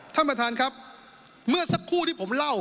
ท่านประธานครับเมื่อสักครู่ที่ผมเล่า